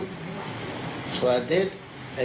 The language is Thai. ฉันทำแบบนั้น